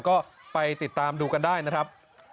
ก็ไปติดตามดูกันได้นะครับ